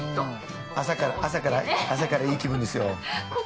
朝から、朝からいい気分ですよ。